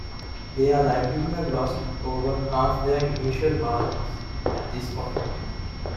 They are likely to have lost over half their initial mass at this point.